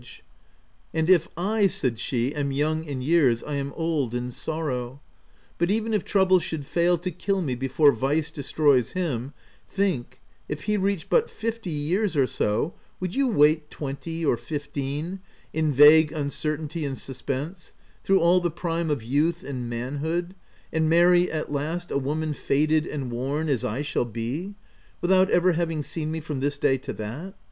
H 146 THE TENANT " and if I," said she, "am young in years I am old in sorrow ; but even if trouble should fail to kill me before vice destroys him, think, if he reached but fifty years or so, would you wait twenty or fifteen — in vague uncertainty and sus pense — through all the prime of youth and manhood — and marry at last a woman faded and worn as I shall be — without ever having seen me from this day to that?